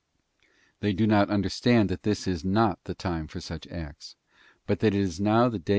They do not understand that this is not the time for such acts, but that it is now the day of * Gen. xi.